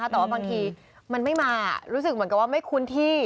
แต่ว่าบางทีมันไม่มารู้สึกเหมือนกับว่าไม่คุ้นที่